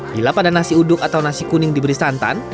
bila pada nasi uduk atau nasi kuning diberi santan